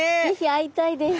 会いたいです。